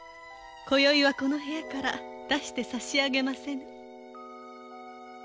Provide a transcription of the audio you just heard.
こよいはこの部屋から出して差し上げませぬ。